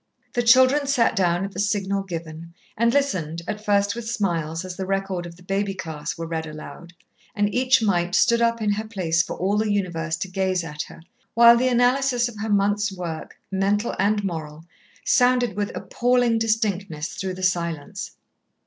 The children sat down at the signal given, and listened, at first with smiles as the record of the baby class were read aloud and each mite stood up in her place for all the universe to gaze at her, while the analysis of her month's work, mental and moral, sounded with appalling distinctness through the silence.